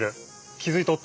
気付いとった？